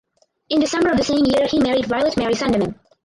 In December of the same year he married Violet Mary Sandeman.